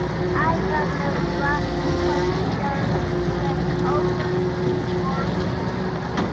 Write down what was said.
Ivanova considers the offer before leaving.